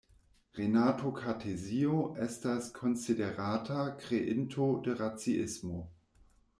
Renato Kartezio estas konsiderata kreinto de raciismo.